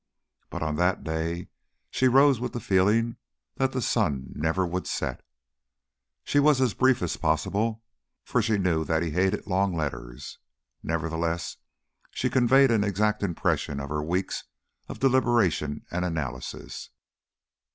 But on that day she rose with the feeling that the sun never would set. She was as brief as possible, for she knew that he hated long letters. Nevertheless, she conveyed an exact impression of her weeks of deliberation and analysis.